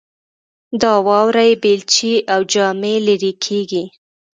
د واورې بیلچې او جامې لیرې کیږي